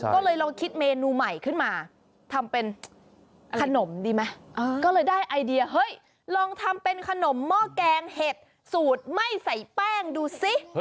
ก็เลยลองคิดเมนูใหม่ขึ้นมาทำเป็นขนมดีไหมก็เลยได้ไอเดียเฮ้ยลองทำเป็นขนมหม้อแกงเห็ดสูตรไม่ใส่แป้งดูสิ